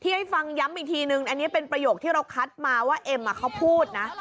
ให้ฟังย้ำอีกทีนึงอันนี้เป็นประโยคที่เราคัดมาว่าเอ็มเขาพูดนะ